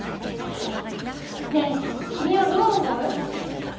ねえ君はどう思う？